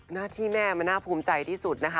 หน้าที่แม่มันน่าภูมิใจที่สุดนะคะ